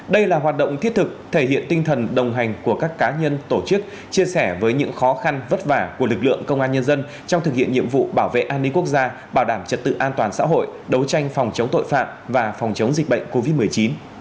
đây là hoạt động thiết thực thể hiện tinh thần đồng hành của các cá nhân tổ chức chia sẻ với những khó khăn vất vả của lực lượng công an nhân dân trong thực hiện nhiệm vụ bảo vệ an ninh quốc gia bảo đảm trật tự an toàn xã hội đấu tranh phòng chống tội phạm và phòng chống dịch bệnh covid một mươi chín